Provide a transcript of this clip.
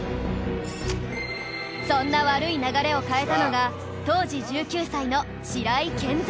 そんな悪い流れを変えたのが当時１９歳の白井健三